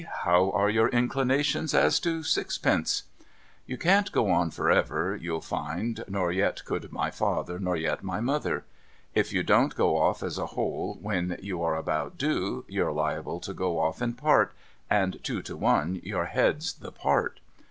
How are your inclinations as to sixpence ?' You can't go on for ever, you'll find, nor yet could my father nor yet my mother. If you don't go off as a whole when you are about due, you're liable to go off in part, and two to one your head's the part.